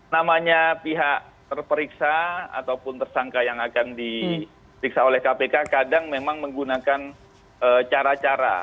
namanya pihak terperiksa ataupun tersangka yang akan diperiksa oleh kpk kadang memang menggunakan cara cara